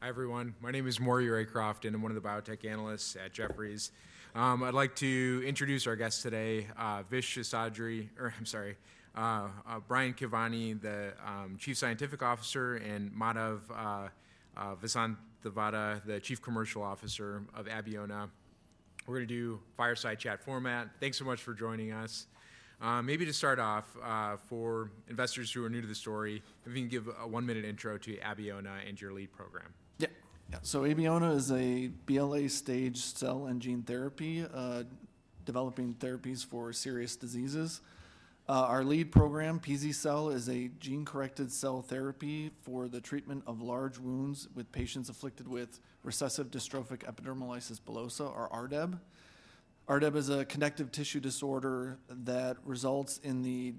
Hi everyone, my name is Maury Raycroft, and I'm one of the biotech analysts at Jefferies. I'd like to introduce our guests today: Vishwas Seshadri, or I'm sorry, Brian Kevany, the Chief Scientific Officer, and Madhav Vasanthavada, the Chief Commercial Officer of Abeona. We're going to do fireside chat format. Thanks so much for joining us. Maybe to start off, for investors who are new to the story, if you can give a one-minute intro to Abeona and your lead program. Yeah, so Abeona is a BLA staged cell and gene therapy, developing therapies for serious diseases. Our lead program, pz-cel, is a gene-corrected cell therapy for the treatment of large wounds with patients afflicted with recessive dystrophic epidermolysis bullosa, or RDEB. RDEB is a connective tissue disorder that results in the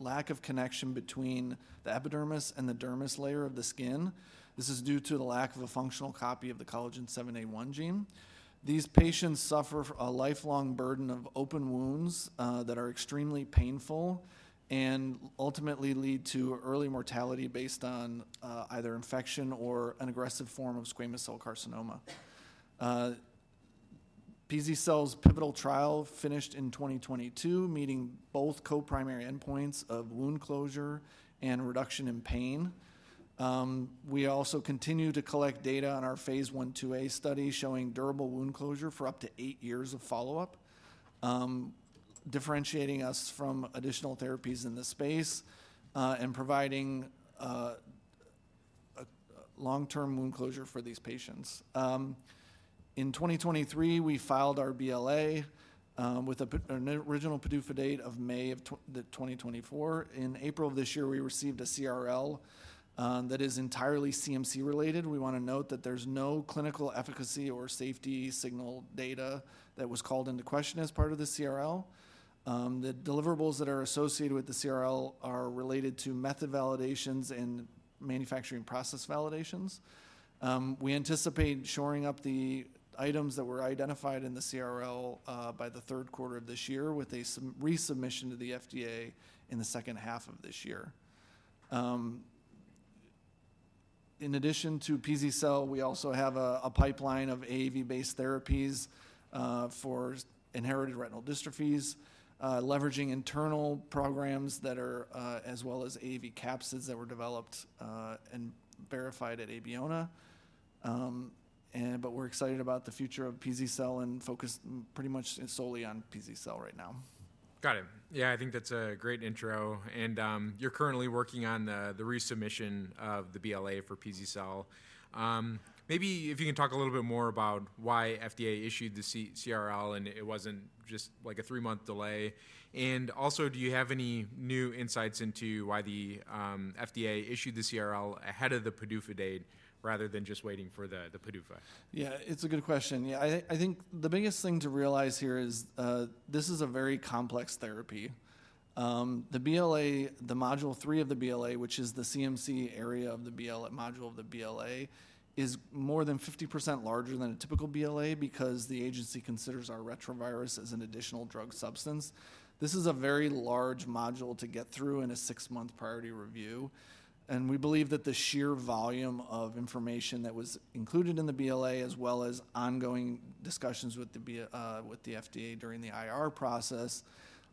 lack of connection between the epidermis and the dermis layer of the skin. This is due to the lack of a functional copy of the COL7A1 gene. These patients suffer a lifelong burden of open wounds that are extremely painful and ultimately lead to early mortality based on either infection or an aggressive form of squamous cell carcinoma. pz-cel's pivotal trial finished in 2022, meeting both co-primary endpoints of wound closure and reduction in pain. We also continue to collect data on our Phase 1/2A study showing durable wound closure for up to eight years of follow-up, differentiating us from additional therapies in this space and providing long-term wound closure for these patients. In 2023, we filed our BLA with an original PDUFA date of May 2024. In April of this year, we received a CRL that is entirely CMC related. We want to note that there's no clinical efficacy or safety signal data that was called into question as part of the CRL. The deliverables that are associated with the CRL are related to method validations and manufacturing process validations. We anticipate shoring up the items that were identified in the CRL by the third quarter of this year with a resubmission to the FDA in the second half of this year. In addition to pz-cel, we also have a pipeline of AAV-based therapies for inherited retinal dystrophies, leveraging internal programs that are as well as AAV capsids that were developed and verified at Abeona. But we're excited about the future of pz-cel and focus pretty much solely on pz-cel right now. Got it. Yeah, I think that's a great intro. And you're currently working on the resubmission of the BLA for pz-cel. Maybe if you can talk a little bit more about why FDA issued the CRL and it wasn't just like a three-month delay. And also, do you have any new insights into why the FDA issued the CRL ahead of the PDUFA date rather than just waiting for the PDUFA? Yeah, it's a good question. Yeah, I think the biggest thing to realize here is this is a very complex therapy. The BLA, the Module 3 of the BLA, which is the CMC area of the BLA, Module of the BLA, is more than 50% larger than a typical BLA because the agency considers our retrovirus as an additional drug substance. This is a very large module to get through in a 6-month priority review. We believe that the sheer volume of information that was included in the BLA, as well as ongoing discussions with the FDA during the IR process,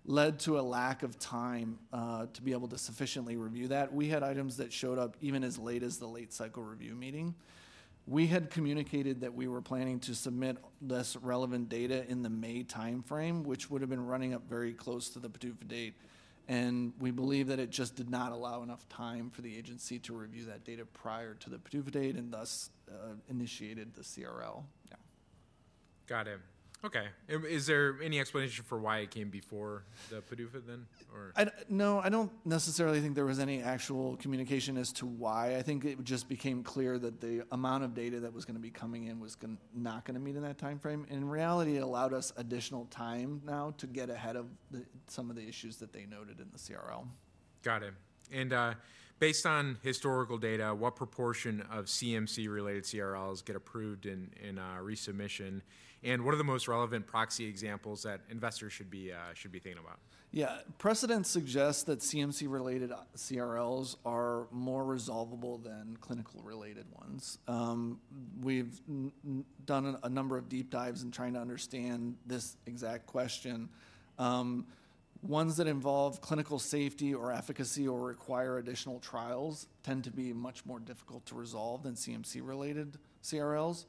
led to a lack of time to be able to sufficiently review that. We had items that showed up even as late as the late cycle review meeting. We had communicated that we were planning to submit this relevant data in the May timeframe, which would have been running up very close to the PDUFA date. And we believe that it just did not allow enough time for the agency to review that data prior to the PDUFA date and thus initiated the CRL. Got it. Okay. Is there any explanation for why it came before the pseudophida then? No, I don't necessarily think there was any actual communication as to why. I think it just became clear that the amount of data that was going to be coming in was not going to meet in that timeframe. In reality, it allowed us additional time now to get ahead of some of the issues that they noted in the CRL. Got it. And based on historical data, what proportion of CMC-related CRLs get approved in resubmission? And what are the most relevant proxy examples that investors should be thinking about? Yeah, precedent suggests that CMC-related CRLs are more resolvable than clinical-related ones. We've done a number of deep dives in trying to understand this exact question. Ones that involve clinical safety or efficacy or require additional trials tend to be much more difficult to resolve than CMC-related CRLs.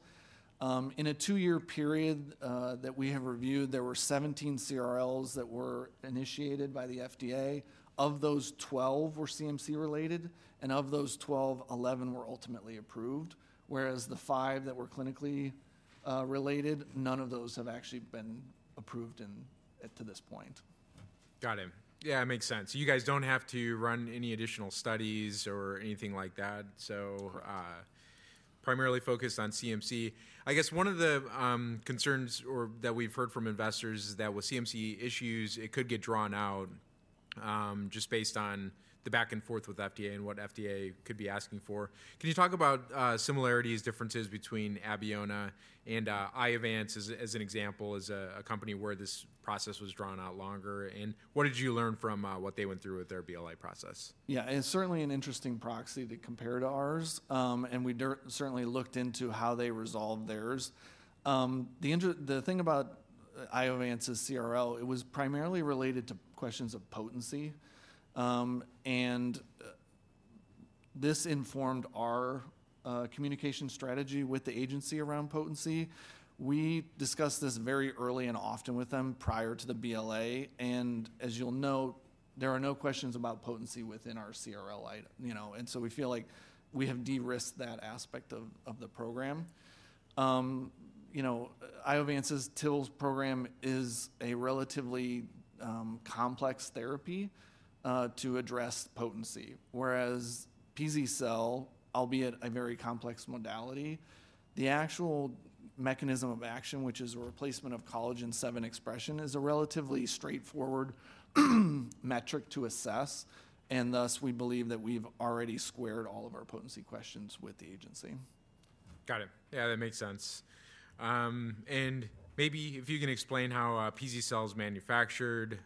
In a two-year period that we have reviewed, there were 17 CRLs that were initiated by the FDA. Of those, 12 were CMC-related, and of those 12, 11 were ultimately approved, whereas the five that were clinically related, none of those have actually been approved to this point. Got it. Yeah, it makes sense. You guys don't have to run any additional studies or anything like that, so primarily focused on CMC. I guess one of the concerns that we've heard from investors is that with CMC issues, it could get drawn out just based on the back and forth with FDA and what FDA could be asking for. Can you talk about similarities, differences between Abeona and Iovance as an example, as a company where this process was drawn out longer? And what did you learn from what they went through with their BLA process? Yeah, it's certainly an interesting proxy to compare to ours. We certainly looked into how they resolved theirs. The thing about Iovance's CRL, it was primarily related to questions of potency. This informed our communication strategy with the agency around potency. We discussed this very early and often with them prior to the BLA. As you'll note, there are no questions about potency within our CRL, you know, and so we feel like we have de-risked that aspect of the program. You know, Iovance's TILs program is a relatively complex therapy to address potency, whereas pz-cel, albeit a very complex modality, the actual mechanism of action, which is a replacement of collagen 7 expression, is a relatively straightforward metric to assess. Thus, we believe that we've already squared all of our potency questions with the agency. Got it. Yeah, that makes sense. And maybe if you can explain how pz-cel is manufactured,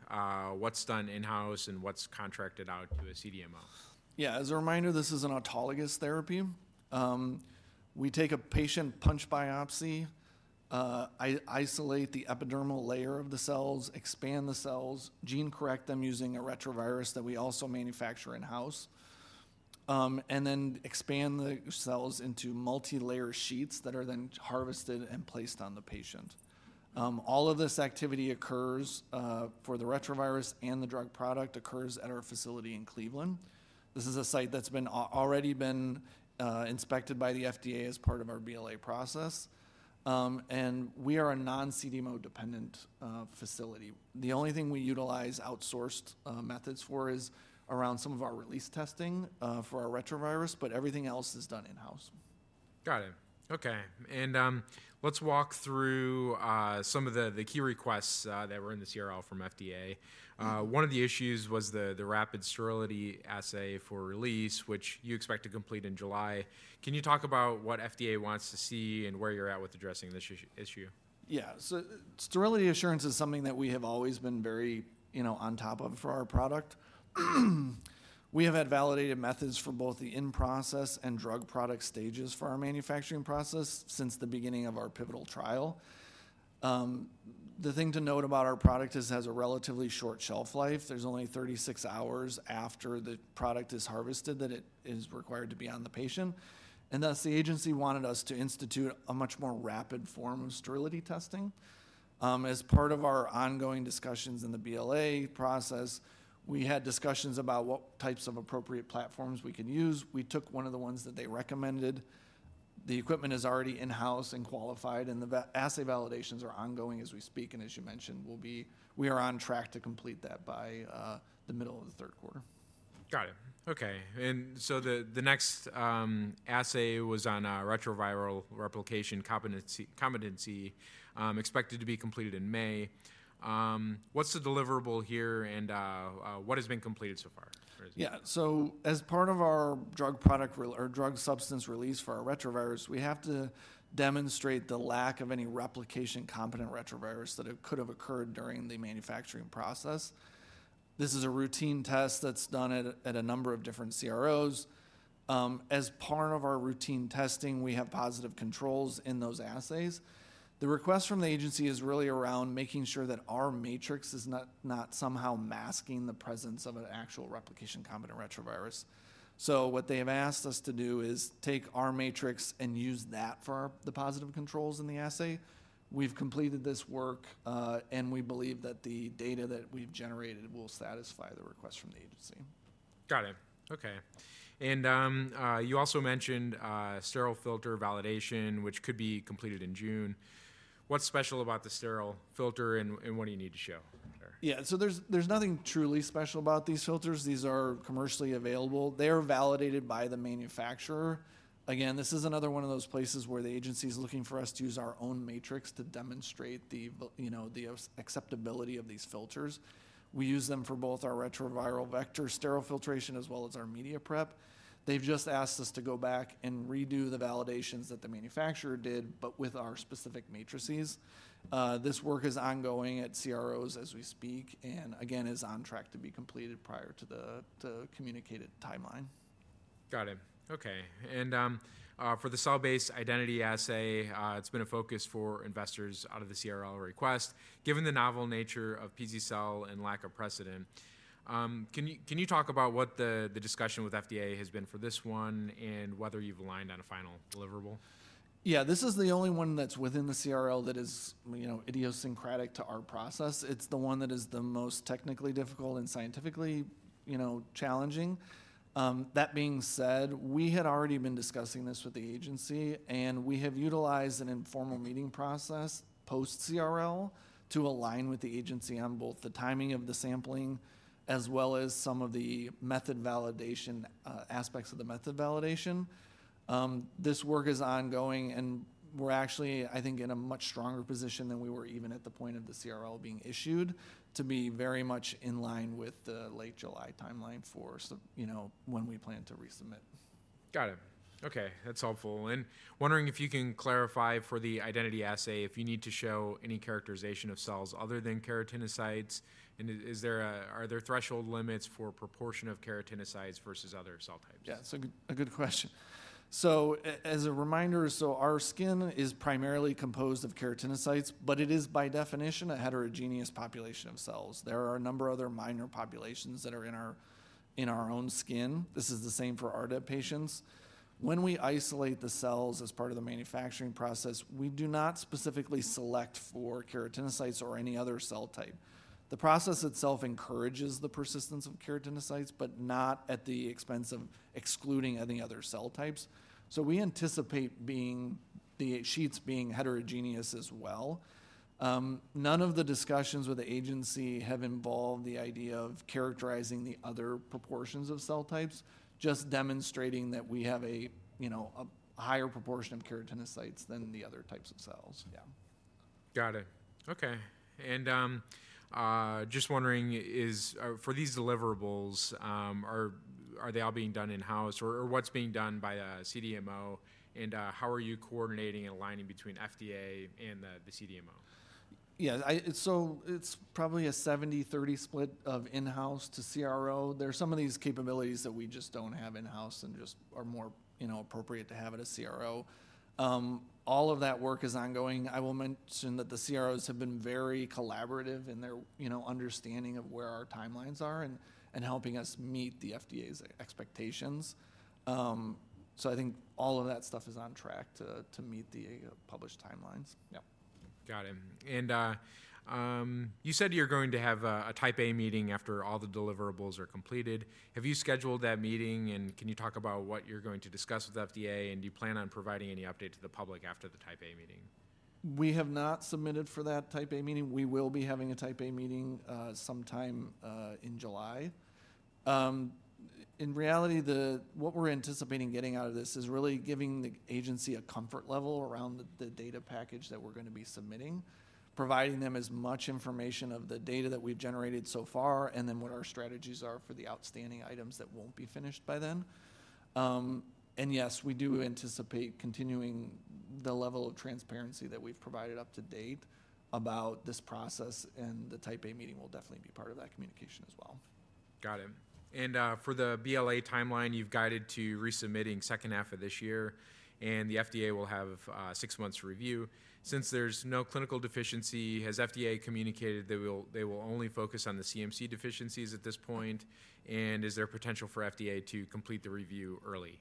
what's done in-house, and what's contracted out to a CDMO. Yeah, as a reminder, this is an autologous therapy. We take a patient punch biopsy, isolate the epidermal layer of the cells, expand the cells, gene-correct them using a retrovirus that we also manufacture in-house, and then expand the cells into multi-layer sheets that are then harvested and placed on the patient. All of this activity occurs for the retrovirus and the drug product occurs at our facility in Cleveland. This is a site that's already been inspected by the FDA as part of our BLA process. And we are a non-CDMO dependent facility. The only thing we utilize outsourced methods for is around some of our release testing for our retrovirus, but everything else is done in-house. Got it. Okay. Let's walk through some of the key requests that were in the CRL from FDA. One of the issues was the rapid sterility assay for release, which you expect to complete in July. Can you talk about what FDA wants to see and where you're at with addressing this issue? Yeah, so sterility assurance is something that we have always been very on top of for our product. We have had validated methods for both the in-process and drug product stages for our manufacturing process since the beginning of our pivotal trial. The thing to note about our product is it has a relatively short shelf life. There's only 36 hours after the product is harvested that it is required to be on the patient. And thus, the agency wanted us to institute a much more rapid form of sterility testing. As part of our ongoing discussions in the BLA process, we had discussions about what types of appropriate platforms we can use. We took one of the ones that they recommended. The equipment is already in-house and qualified, and the assay validations are ongoing as we speak. As you mentioned, we are on track to complete that by the middle of the third quarter. Got it. Okay. And so the next assay was on retroviral replication competency, expected to be completed in May. What's the deliverable here and what has been completed so far? Yeah, so as part of our drug product or drug substance release for our retrovirus, we have to demonstrate the lack of any replication competent retrovirus that could have occurred during the manufacturing process. This is a routine test that's done at a number of different CROs. As part of our routine testing, we have positive controls in those assays. The request from the agency is really around making sure that our matrix is not somehow masking the presence of an actual replication competent retrovirus. So what they have asked us to do is take our matrix and use that for the positive controls in the assay. We've completed this work, and we believe that the data that we've generated will satisfy the request from the agency. Got it. Okay. And you also mentioned sterile filter validation, which could be completed in June. What's special about the sterile filter and what do you need to show? Yeah, so there's nothing truly special about these filters. These are commercially available. They are validated by the manufacturer. Again, this is another one of those places where the agency is looking for us to use our own matrix to demonstrate the acceptability of these filters. We use them for both our retroviral vector sterile filtration as well as our media prep. They've just asked us to go back and redo the validations that the manufacturer did, but with our specific matrices. This work is ongoing at CROs as we speak and again, is on track to be completed prior to the communicated timeline. Got it. Okay. And for the cell-based identity assay, it's been a focus for investors out of the CRL request. Given the novel nature of pz-cel and lack of precedent, can you talk about what the discussion with FDA has been for this one and whether you've aligned on a final deliverable? Yeah, this is the only one that's within the CRL that is idiosyncratic to our process. It's the one that is the most technically difficult and scientifically challenging. That being said, we had already been discussing this with the agency, and we have utilized an informal meeting process post-CRL to align with the agency on both the timing of the sampling as well as some of the method validation aspects of the method validation. This work is ongoing, and we're actually, I think, in a much stronger position than we were even at the point of the CRL being issued to be very much in line with the late July timeline for when we plan to resubmit. Got it. Okay. That's helpful. And wondering if you can clarify for the identity assay if you need to show any characterization of cells other than keratinocytes? And are there threshold limits for proportion of keratinocytes versus other cell types? Yeah, so a good question. So as a reminder, our skin is primarily composed of keratinocytes, but it is by definition a heterogeneous population of cells. There are a number of other minor populations that are in our own skin. This is the same for our patients. When we isolate the cells as part of the manufacturing process, we do not specifically select for keratinocytes or any other cell type. The process itself encourages the persistence of keratinocytes, but not at the expense of excluding any other cell types. So we anticipate the sheets being heterogeneous as well. None of the discussions with the agency have involved the idea of characterizing the other proportions of cell types, just demonstrating that we have a higher proportion of keratinocytes than the other types of cells. Yeah. Got it. Okay. Just wondering, for these deliverables, are they all being done in-house or what's being done by the CDMO? How are you coordinating and aligning between FDA and the CDMO? Yeah, so it's probably a 70-30 split of in-house to CRO. There are some of these capabilities that we just don't have in-house and just are more appropriate to have at a CRO. All of that work is ongoing. I will mention that the CROs have been very collaborative in their understanding of where our timelines are and helping us meet the FDA's expectations. So I think all of that stuff is on track to meet the published timelines. Yeah. Got it. And you said you're going to have a Type A meeting after all the deliverables are completed. Have you scheduled that meeting? And can you talk about what you're going to discuss with FDA? And do you plan on providing any update to the public after the Type A meeting? We have not submitted for that Type A meeting. We will be having a Type A meeting sometime in July. In reality, what we're anticipating getting out of this is really giving the agency a comfort level around the data package that we're going to be submitting, providing them as much information of the data that we've generated so far and then what our strategies are for the outstanding items that won't be finished by then. And yes, we do anticipate continuing the level of transparency that we've provided up to date about this process. And the Type A meeting will definitely be part of that communication as well. Got it. And for the BLA timeline, you've guided to resubmitting second half of this year, and the FDA will have six months to review. Since there's no clinical deficiency, has FDA communicated they will only focus on the CMC deficiencies at this point? And is there potential for FDA to complete the review early?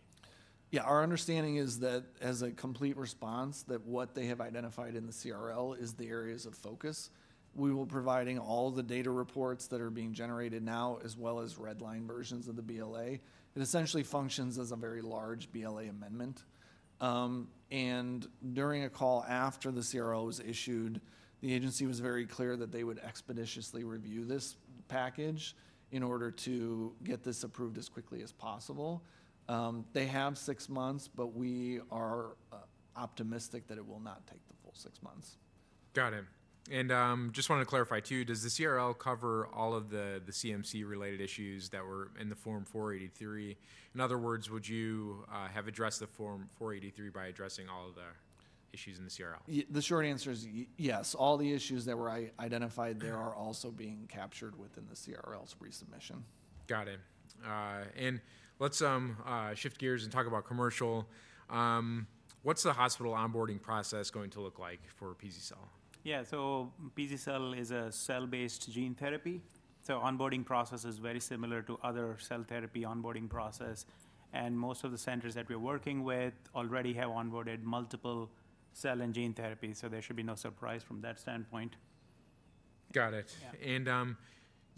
Yeah, our understanding is that as a complete response, that what they have identified in the CRL is the areas of focus. We will be providing all the data reports that are being generated now as well as redline versions of the BLA. It essentially functions as a very large BLA amendment. During a call after the CRL was issued, the agency was very clear that they would expeditiously review this package in order to get this approved as quickly as possible. They have six months, but we are optimistic that it will not take the full six months. Got it. Just wanted to clarify too, does the CRL cover all of the CMC-related issues that were in the Form 483? In other words, would you have addressed the Form 483 by addressing all of the issues in the CRL? The short answer is yes. All the issues that were identified, they are also being captured within the CRL's resubmission. Got it. Let's shift gears and talk about commercial. What's the hospital onboarding process going to look like for pz-cel? Yeah, so pz-cel is a cell-based gene therapy. So the onboarding process is very similar to other cell therapy onboarding process. And most of the centers that we're working with already have onboarded multiple cell and gene therapies. So there should be no surprise from that standpoint. Got it.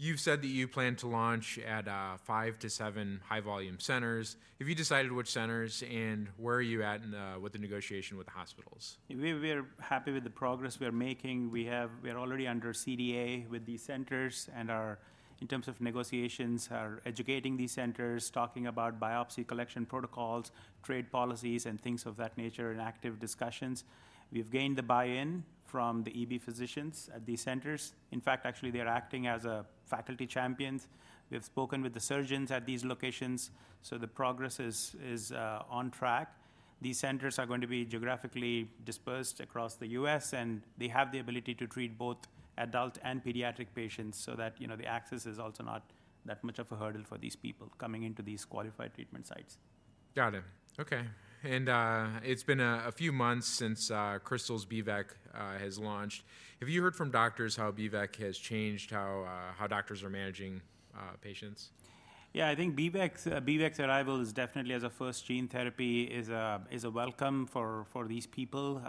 You've said that you plan to launch at 5-7 high-volume centers. Have you decided which centers and where are you at with the negotiation with the hospitals? We are happy with the progress we are making. We are already under CDA with these centers. In terms of negotiations, we are educating these centers, talking about biopsy collection protocols, trade policies, and things of that nature in active discussions. We've gained the buy-in from the EB physicians at these centers. In fact, actually, they're acting as faculty champions. We have spoken with the surgeons at these locations. The progress is on track. These centers are going to be geographically dispersed across the U.S., and they have the ability to treat both adult and pediatric patients so that the access is also not that much of a hurdle for these people coming into these qualified treatment sites. Got it. Okay. And it's been a few months since Krystal's VYJUVEK has launched. Have you heard from doctors how VYJUVEK has changed how doctors are managing patients? Yeah, I think VYJUVEK's arrival is definitely, as a first gene therapy, a welcome for these people.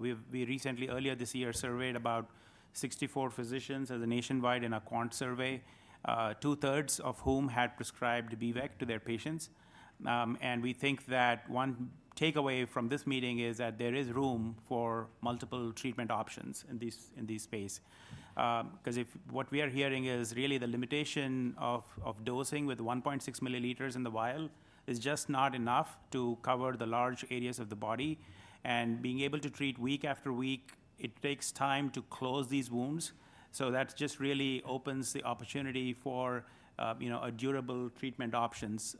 We recently, earlier this year, surveyed about 64 physicians nationwide in a quant survey, two-thirds of whom had prescribed VYJUVEK to their patients. We think that one takeaway from this meeting is that there is room for multiple treatment options in this space. Because what we are hearing is really the limitation of dosing with 1.6 milliliters in the vial is just not enough to cover the large areas of the body. Being able to treat week after week, it takes time to close these wounds. So that just really opens the opportunity for durable treatment options.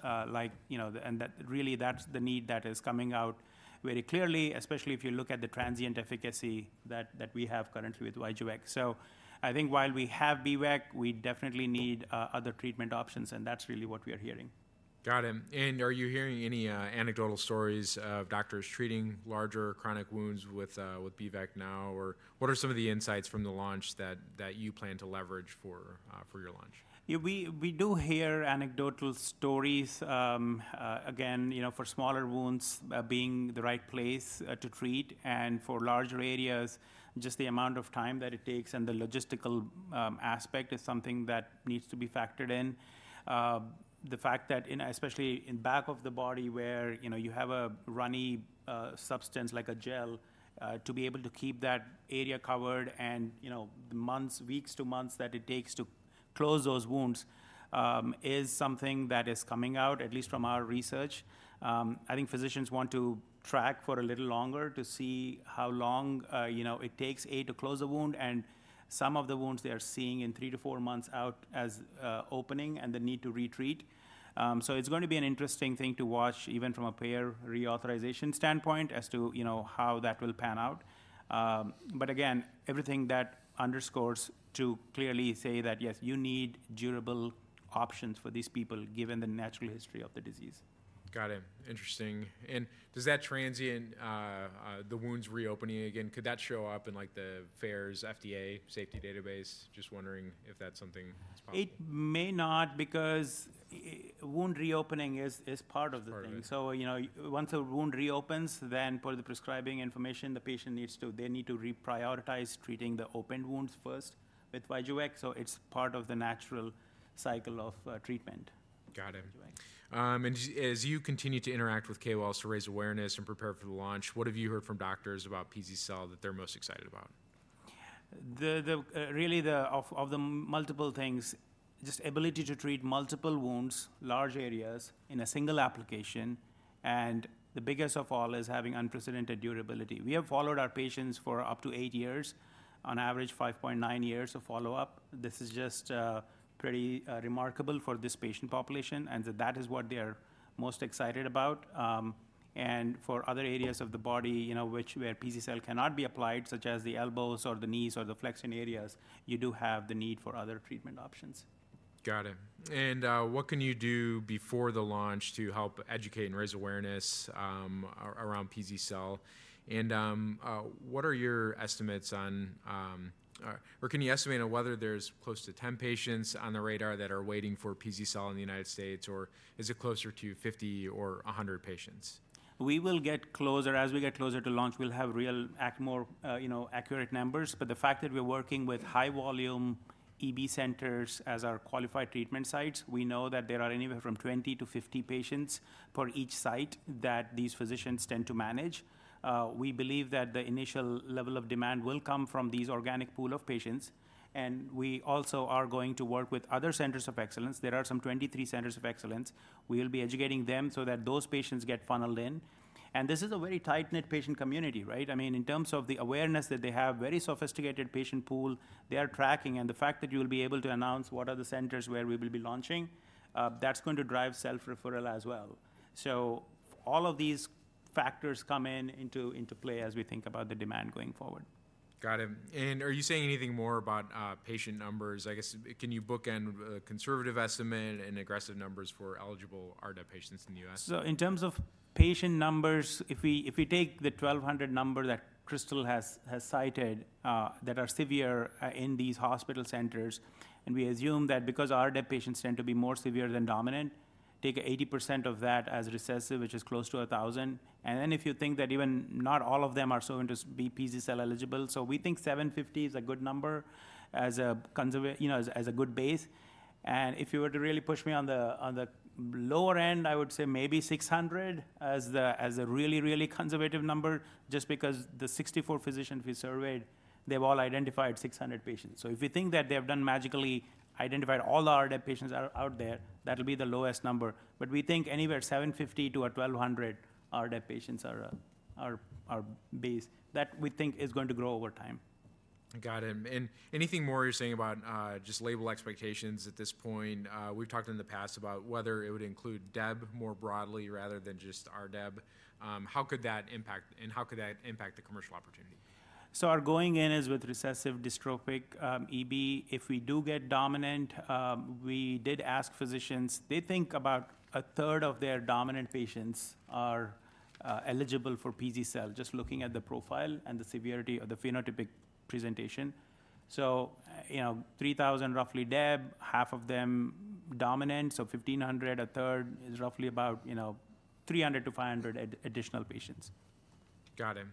Really, that's the need that is coming out very clearly, especially if you look at the transient efficacy that we have currently with VYJUVEK. I think while we have BVEC, we definitely need other treatment options, and that's really what we are hearing. Got it. Are you hearing any anecdotal stories of doctors treating larger chronic wounds with BVEC now? Or what are some of the insights from the launch that you plan to leverage for your launch? We do hear anecdotal stories. Again, for smaller wounds, being the right place to treat. For larger areas, just the amount of time that it takes and the logistical aspect is something that needs to be factored in. The fact that, especially in the back of the body where you have a runny substance like a gel, to be able to keep that area covered and the months, weeks to months that it takes to close those wounds is something that is coming out, at least from our research. I think physicians want to track for a little longer to see how long it takes to close a wound. Some of the wounds they are seeing in 3-4 months out as opening and the need to retreat. So it's going to be an interesting thing to watch even from a payer reauthorization standpoint as to how that will pan out. But again, everything that underscores to clearly say that, yes, you need durable options for these people given the natural history of the disease. Got it. Interesting. Does that transient, the wounds reopening again, could that show up in the FAERS FDA safety database? Just wondering if that's something that's possible. It may not because wound reopening is part of the thing. So once a wound reopens, then for the prescribing information, the patient needs to, they need to reprioritize treating the open wounds first with ZEVASKYN. So it's part of the natural cycle of treatment. Got it. As you continue to interact with CAWALS to raise awareness and prepare for the launch, what have you heard from doctors about PZCell that they're most excited about? Really, of the multiple things, just ability to treat multiple wounds, large areas in a single application. The biggest of all is having unprecedented durability. We have followed our patients for up to 8 years, on average 5.9 years of follow-up. This is just pretty remarkable for this patient population. That is what they are most excited about. For other areas of the body where pz-cel cannot be applied, such as the elbows or the knees or the flexion areas, you do have the need for other treatment options. Got it. And what can you do before the launch to help educate and raise awareness around pz-cel? And what are your estimates on, or can you estimate on whether there's close to 10 patients on the radar that are waiting for pz-cel in the United States, or is it closer to 50 or 100 patients? We will get closer. As we get closer to launch, we'll have more accurate numbers. But the fact that we're working with high-volume EB centers as our qualified treatment sites, we know that there are anywhere from 20-50 patients per each site that these physicians tend to manage. We believe that the initial level of demand will come from these organic pool of patients. And we also are going to work with other centers of excellence. There are some 23 centers of excellence. We will be educating them so that those patients get funneled in. And this is a very tight-knit patient community, right? I mean, in terms of the awareness that they have a very sophisticated patient pool, they are tracking. And the fact that you will be able to announce what are the centers where we will be launching, that's going to drive self-referral as well. All of these factors come into play as we think about the demand going forward. Got it. Are you saying anything more about patient numbers? I guess, can you bookend a conservative estimate and aggressive numbers for eligible RDEB patients in the U.S.? So in terms of patient numbers, if we take the 1,200 number that Krystal has cited that are severe in these hospital centers, and we assume that because RDEB patients tend to be more severe than dominant, take 80% of that as recessive, which is close to 1,000. And then if you think that even not all of them are so into pz-cel eligible. So we think 750 is a good number as a good base. And if you were to really push me on the lower end, I would say maybe 600 as a really, really conservative number, just because the 64 physicians we surveyed, they've all identified 600 patients. So if you think that they have done magically identified all the RDEB patients out there, that'll be the lowest number. But we think anywhere 750-1,200 RDEB patients are our base. That we think is going to grow over time. Got it. And anything more you're saying about just label expectations at this point? We've talked in the past about whether it would include DEB more broadly rather than just RDEB. How could that impact, and how could that impact the commercial opportunity? Our going in is with recessive dystrophic EB. If we do get dominant, we did ask physicians, they think about a third of their dominant patients are eligible for pz-cel just looking at the profile and the severity of the phenotypic presentation. 3,000 roughly DEB, half of them dominant. 1,500, a third is roughly about 300-500 additional patients. Got it.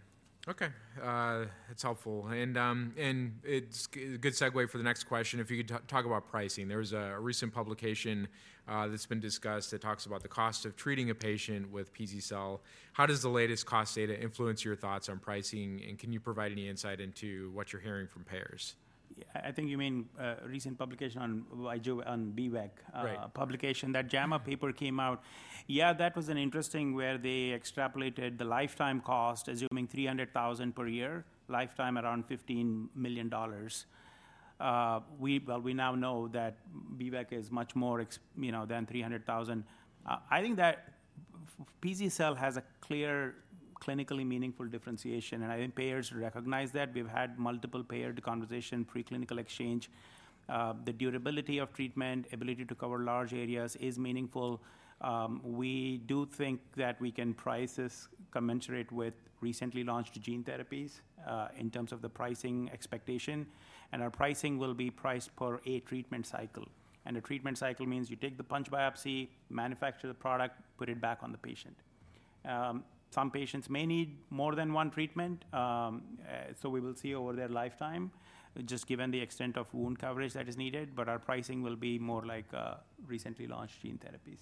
Okay. That's helpful. And it's a good segue for the next question. If you could talk about pricing. There was a recent publication that's been discussed that talks about the cost of treating a patient with pz-cel. How does the latest cost data influence your thoughts on pricing? And can you provide any insight into what you're hearing from payers? I think you mean recent publication on BVEC, a publication. That JAMA paper came out. Yeah, that was interesting where they extrapolated the lifetime cost, assuming $300,000 per year, lifetime around $15 million. Well, we now know that BVEC is much more than $300,000. I think that pz-cel has a clear clinically meaningful differentiation. I think payers recognize that. We've had multiple payer conversations, preclinical exchange. The durability of treatment, ability to cover large areas is meaningful. We do think that we can price this commensurate with recently launched gene therapies in terms of the pricing expectation. Our pricing will be priced per a treatment cycle. A treatment cycle means you take the punch biopsy, manufacture the product, put it back on the patient. Some patients may need more than one treatment. So we will see over their lifetime, just given the extent of wound coverage that is needed. But our pricing will be more like recently launched gene therapies.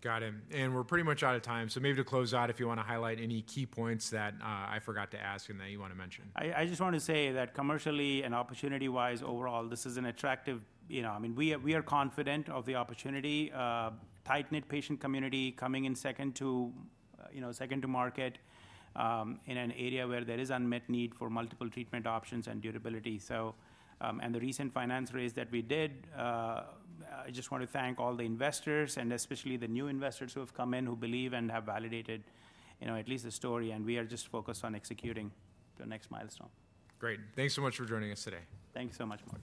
Got it. We're pretty much out of time. Maybe to close out, if you want to highlight any key points that I forgot to ask and that you want to mention. I just want to say that commercially and opportunity-wise, overall, this is an attractive, I mean, we are confident of the opportunity. Tight-knit patient community coming in second to market in an area where there is unmet need for multiple treatment options and durability. The recent finance raise that we did, I just want to thank all the investors, and especially the new investors who have come in, who believe and have validated at least the story. We are just focused on executing the next milestone. Great. Thanks so much for joining us today. Thank you so much, Mark.